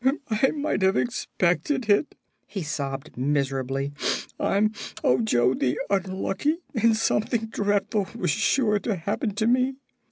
"I might have expected it," he sobbed, miserably. "I'm Ojo the Unlucky, and something dreadful was sure to happen to me."